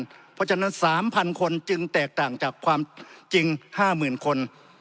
เพราะฉะนั้น๓๐๐คนจึงแตกต่างจากความจริง๕๐๐๐คน